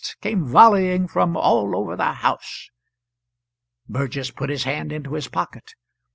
came volleying from all over the house. Burgess put his hand into his pocket.